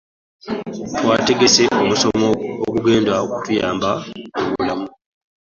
Twategese omusomo ogugenda okutuyamba mu bulamu.